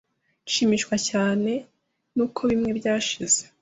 nshimishwa cyane n’uko bimwe byashize